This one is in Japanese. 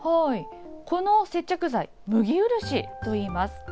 この接着剤麦漆といいます。